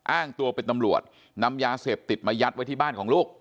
อ้างตัวเป็นตำรวจนำยาเสพติดมายัดไว้ที่บ้านของลูก